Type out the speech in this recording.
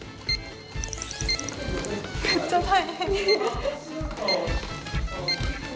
めっちゃ大変。